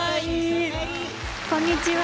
こんにちは！